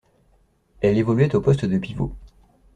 Elle évoluait au poste de pivot.